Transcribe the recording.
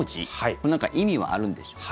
これ、何か意味はあるんでしょうか。